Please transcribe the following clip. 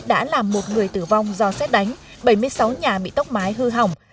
đã làm một người tử vong do xét đánh bảy mươi sáu nhà bị tốc mái hư hỏng